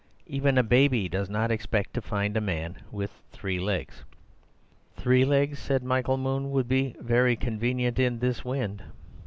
Even a baby does not expect to find a man with three legs." "Three legs," said Michael Moon, "would be very convenient in this wind."